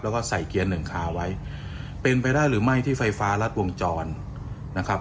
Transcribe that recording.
แล้วก็ใส่เกียร์หนึ่งคาไว้เป็นไปได้หรือไม่ที่ไฟฟ้ารัดวงจรนะครับ